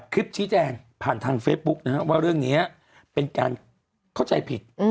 คลิปชี้แจงผ่านทางเฟซบุ๊กนะฮะว่าเรื่องนี้เป็นการเข้าใจผิด